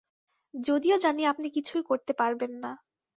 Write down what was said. যদিও জানি আপনি কিছুই করতে পারবেন না।